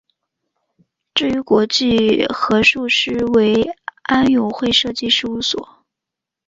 至于国际核数师为安永会计师事务所。